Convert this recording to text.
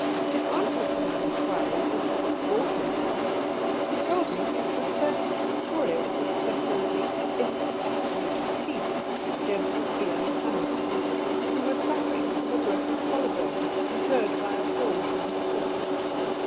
In answer to my inquiries as to what brought him there, he told me he was returning to Pretoria with his temporarily incapacitated chief, General Ian Hamilton, who was suffering from a broken collar bone, incurred by a fall from his horse.